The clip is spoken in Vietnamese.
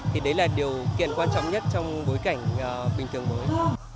thì đấy là điều kiện quan trọng nhất trong bối cảnh bình thường mới